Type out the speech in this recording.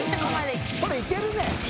これ行けるね。